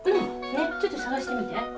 ねっちょっと捜してみて。